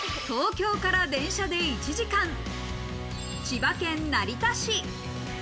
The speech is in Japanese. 東京から電車で１時間、千葉県成田市。